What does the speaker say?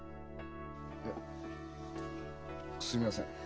いやすみません。